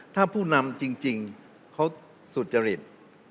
ถ้าผู้นำจริงเขาสุจริต